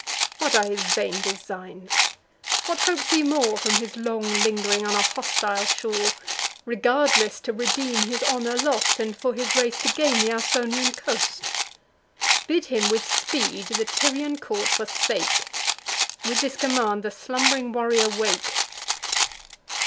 What are his vain designs! what hopes he more From his long ling'ring on a hostile shore, Regardless to redeem his honour lost, And for his race to gain th' Ausonian coast! Bid him with speed the Tyrian court forsake; With this command the slumb'ring warrior wake."